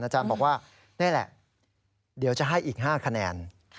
อาจารย์บอกว่านี่แหละเดี๋ยวจะให้อีก๕คะแนน